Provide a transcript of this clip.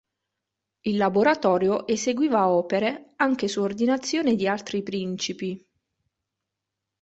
Il laboratorio eseguiva opere anche su ordinazione di altri principi.